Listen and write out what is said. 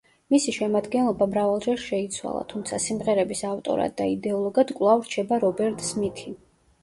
მისი შემადგენლობა მრავალჯერ შეიცვალა, თუმცა სიმღერების ავტორად და იდეოლოგად კვლავ რჩება რობერტ სმითი.